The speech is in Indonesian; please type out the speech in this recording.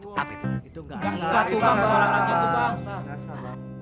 itu gasah tuh bangsa